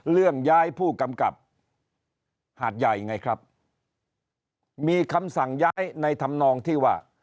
เรื่องย้ายผู้กำกับหาดใหญ่ไงครับมีคำสั่งย้ายในธรรมนองที่ว่า